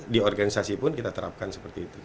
di organisasi pun kita terapkan seperti itu